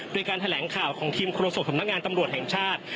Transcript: โดยการแถลงข่าวของทีมโฆษกสำนักงานตำรวจแห่งชาติ